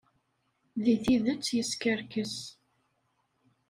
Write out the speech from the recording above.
Deg tidet, yeskerkes.